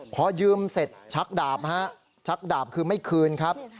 พอยืมเสร็จชักดาบฮะชักดาบคือไม่คืนครับ